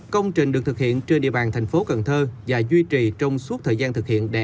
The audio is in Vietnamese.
công trình được thực hiện trên địa bàn thành phố cần thơ và duy trì trong suốt thời gian thực hiện đề án